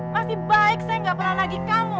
masih baik saya gak pernah nagih kamu